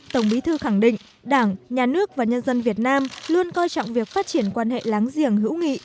tổng bí thư khẳng định đảng nhà nước và nhân dân việt nam luôn coi trọng việc phát triển quan hệ láng giềng hữu nghị